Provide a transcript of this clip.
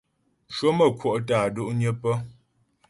Cwəmə̌kwɔ' tə́ á do'nyə pə́.